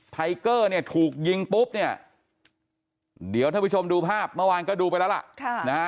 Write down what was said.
ไทเกอร์เนี่ยถูกยิงปุ๊บเนี่ยเดี๋ยวท่านผู้ชมดูภาพเมื่อวานก็ดูไปแล้วล่ะ